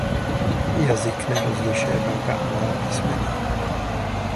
Jazyk nerozlišuje velká a malá písmena.